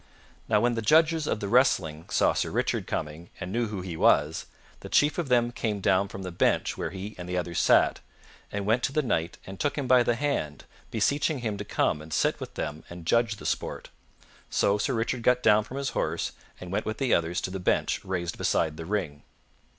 Now when the judges of the wrestling saw Sir Richard coming and knew who he was, the chief of them came down from the bench where he and the others sat, and went to the Knight and took him by the hand, beseeching him to come and sit with them and judge the sport. So Sir Richard got down from his horse and went with the others to the bench raised beside the ring.